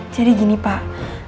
jadi gini pak